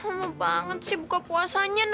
um banget sih buka puasanya